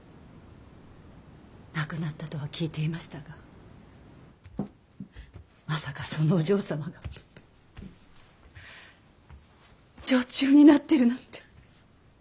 亡くなったとは聞いていましたがまさかそのお嬢様が女中になってるなんて。